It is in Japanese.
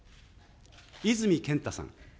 泉健太さん。